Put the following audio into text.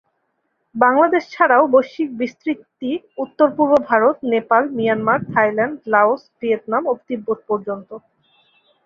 বাংলাদেশ ছাড়াও বৈশ্বিক বিস্তৃতি উত্তর-পূর্ব Bharat, Nepal, Myanmar, Thailand, Laos, Vietnam ও তিব্বত পর্যন্ত।